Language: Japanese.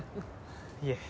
いえ。